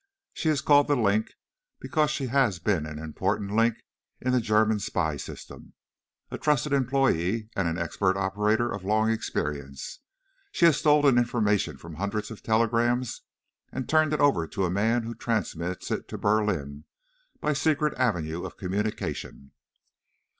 She is called 'The Link,' because she has been an important link in the German spy system. A trusted employee and an expert operator of long experience, she has stolen information from hundreds of telegrams and turned it over to a man who transmitted it to Berlin by a secret avenue of communication.